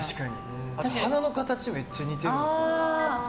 あと鼻の形めっちゃ似てるんですよ。